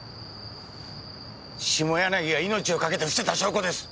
下柳が命をかけてふせた証拠です！